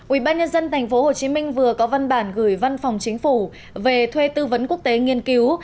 ủy ban nhân dân tp hcm vừa có văn bản gửi văn phòng chính phủ về thuê tư vấn quốc tế nghiên cứu